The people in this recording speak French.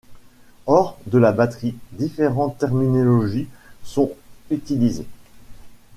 Hors de la batterie, différentes terminologies sont utilisées.